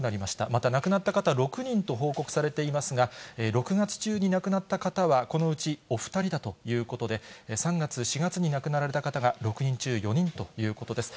また、亡くなった方、６人と報告されていますが、６月中に亡くなった方はこのうちお２人だということで、３月、４月に亡くなられた方が６人中４人ということです。